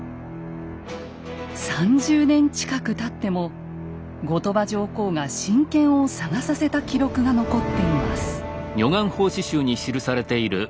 ３０年近くたっても後鳥羽上皇が神剣を捜させた記録が残っています。